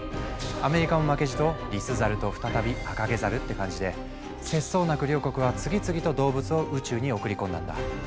アメリカも負けじとリスザルと再びアカゲザルって感じで節操なく両国は次々と動物を宇宙に送り込んだんだ。